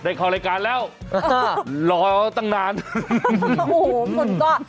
ได้ขอรายการแล้วอ่ะรอตั้งนานโอ้โหหมดก่อน